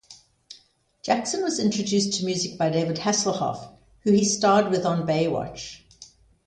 Jackson was introduced to music by David Hasslehoff who he starred with on "Baywatch".